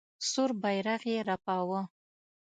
سور بیرغ یې رپاوه.